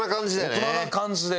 大人な感じで。